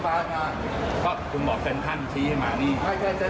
เอาอาชีพนักภูมิออกสื่อไปทำไมว่า